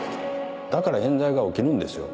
だから冤罪が起きるんですよ。